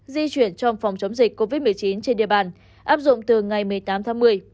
di chuyển trong phòng chống dịch covid một mươi chín trên địa bàn áp dụng từ ngày một mươi tám tháng một mươi